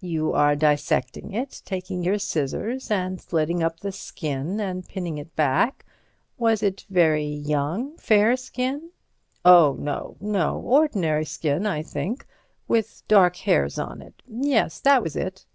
You are dissecting it—taking your scissors and slitting up the skin and pinning it back. Was it very young, fair skin?" "Oh, no—no. Ordinary skin, I think—with dark hairs on it—yes, that was it."